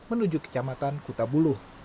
menuju kecamatan kutabuluh